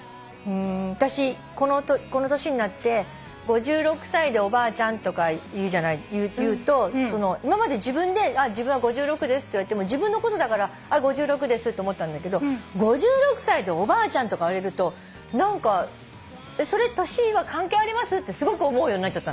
私この年になって５６歳でおばあちゃんとか言うと今まで自分で自分は５６ですって言っても自分のことだから５６ですと思ったんだけど「５６歳でおばあちゃん」とか言われると何かそれ年は関係あります？ってすごく思うようになっちゃった。